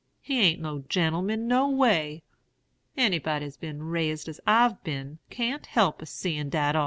He a'n't no gen'l'man no way. Anybody's been raised as I've been can't help a seein' dat ar.'